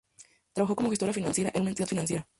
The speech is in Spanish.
Trabajó como gestora financiera en una entidad financiera.